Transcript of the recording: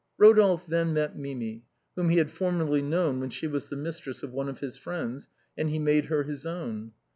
Rodolphe then met Mimi, whom he had formerly known when she was the mistress of one of his friends; and he made her his own.